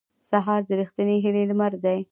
سهار د رښتینې هیلې لمر دی.